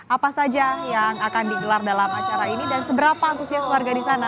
apa saja yang akan digelar dalam acara ini dan seberapa antusias warga di sana